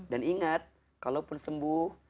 dan ingat kalaupun sembuh